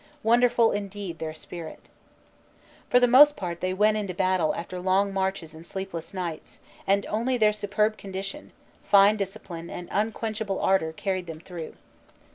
Wonderful indeed their spirit. For the most part they went into battle after long marches and sleepless nights, and only their superb condition, fine discipline and unquenchable ardor carried them through.